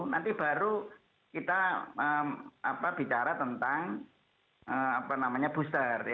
nanti baru kita bicara tentang booster